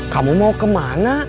kamu mau kemana